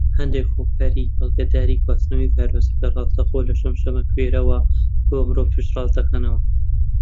هەندێک هۆکاری بەڵگەدار گواستنەوەی ڤایرۆسەکە ڕاستەوخۆ لە شەمشەمەکوێرەوە بۆ مرۆڤ پشت ڕاست دەکەنەوە.